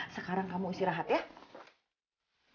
sekarang kamu istirahat ya